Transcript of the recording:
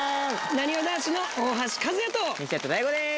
なにわ男子の大橋和也と西畑大吾です